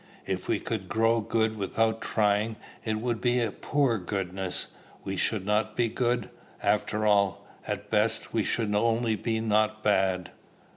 If we could grow good without trying, it would be a poor goodness: we should not be good, after all; at best, we should only be not bad.